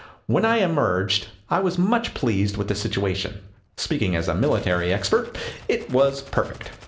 When I emerged, I was much pleased with the situation. Speaking as a military expert, it was perfect.